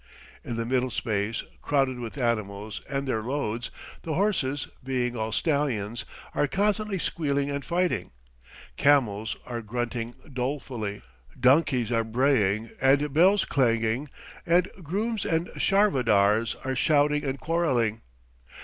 In the middle space, crowded with animals and their loads, the horses, being all stallions, are constantly squealing and fighting; camels, are grunting dolefully, donkeys are braying and bells clanging, and grooms and charvadars are shouting and quarrelling.